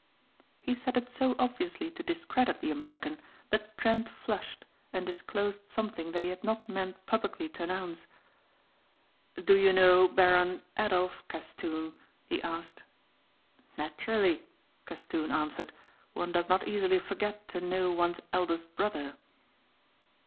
He said it so obviously to discredit the American that Trent flushed and disclosed something that he had not meant publicly to announce. "Do you know Baron Adolf Castoon?" he asked. "Naturally," Castoon answered, "One does not easily forget to know one's eldest brother."